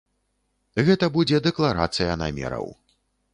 Гэта будзе дэкларацыя намераў.